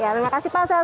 ya terima kasih pak